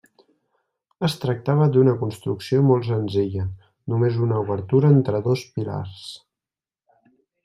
Es tractava d'una construcció molt senzilla, només una obertura entre dos pilars.